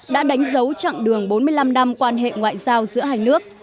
đã đánh dấu chặng đường bốn mươi năm năm quan hệ ngoại giao giữa hai nước